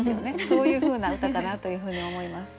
そういうふうな歌かなというふうに思います。